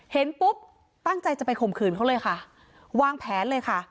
เห็นปุ๊บตั้งใจจะไปข่มขืนเขาเลยค่ะวางแผนเลยค่ะ